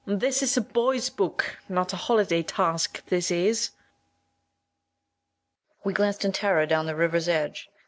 This is a boy's book, not a holiday task, this is! PUBLISHER. We glanced in terror down the river's edge.